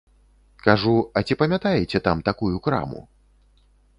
Кажу, а ці памятаеце там такую краму?